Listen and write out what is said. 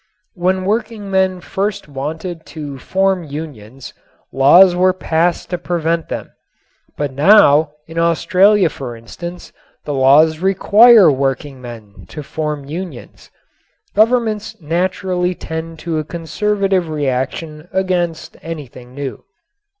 When workingmen first wanted to form unions, laws were passed to prevent them. But now, in Australia for instance, the laws require workingmen to form unions. Governments naturally tend to a conservative reaction against anything new.